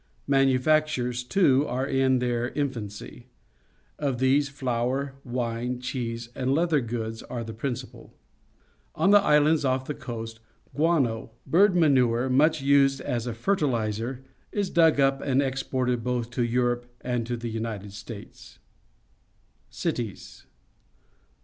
Manufactures, too, are in their infancy. Of these, flour, wine, cheese, and leather goods are the principal. On the islands off the coast, guano — bird manure much used as a fertilizer — is dug up and exported both to Europe and to the United States. Cities.